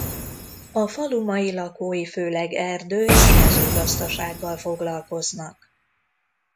A falu mai lakói főleg erdő- és mezőgazdasággal foglalkoznak.